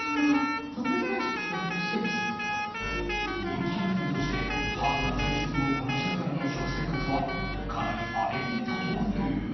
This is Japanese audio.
人気アイドルとしてハードなスケジュールをこなしながらの食生活はかなり荒れていたという。